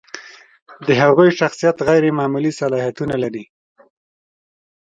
د هغوی شخصیت غیر معمولي صلاحیتونه لري.